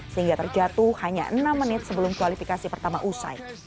sehingga terjatuh hanya enam menit sebelum kualifikasi pertama usai